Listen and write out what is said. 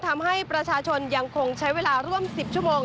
ทำให้ประชาชนยังคงใช้เวลาร่วม๑๐ชั่วโมง